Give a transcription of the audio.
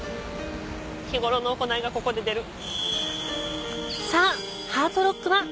日頃の行いがここで出る。